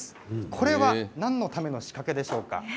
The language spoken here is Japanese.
これは何のための仕掛けでしょうか。